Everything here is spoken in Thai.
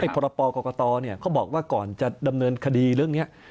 พรปกรกตเขาบอกว่าก่อนจะดำเนินคดีเรื่องนี้